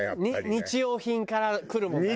日用品から来るものだね。